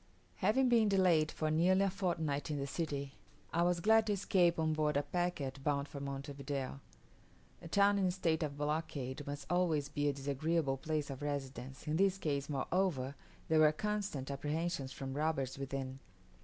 HAVING been delayed for nearly a fortnight in the city, I was glad to escape on board a packet bound for Monte Video. A town in a state of blockade must always be a disagreeable place of residence; in this case moreover there were constant apprehensions from robbers within.